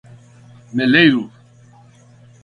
Meleiro